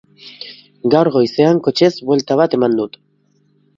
Gaur goizean kotxez buelta bat eman dut.